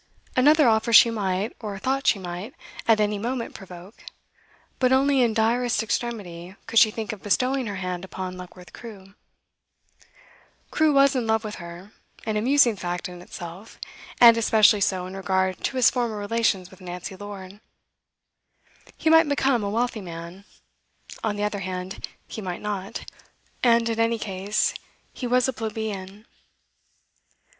Another offer she might, or thought she might, at any moment provoke; but only in direst extremity could she think of bestowing her hand upon Luckworth Crewe. Crewe was in love with her, an amusing fact in itself, and especially so in regard to his former relations with Nancy Lord. He might become a wealthy man; on the other hand, he might not; and in any case he was a plebeian.